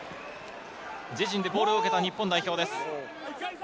自陣でボールを受けた日本代表です。